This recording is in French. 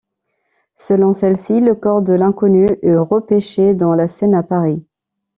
Selon celle-ci, le corps de l'Inconnue est repêché dans la Seine à Paris.